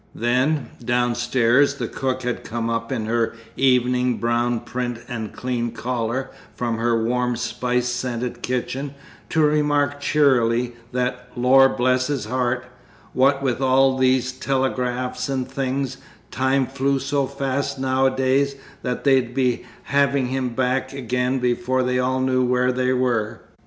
Then downstairs, the cook had come up in her evening brown print and clean collar, from her warm spice scented kitchen, to remark cheerily that "Lor bless his heart, what with all these telegrafts and things, time flew so fast nowadays that they'd be having him back again before they all knew where they were!"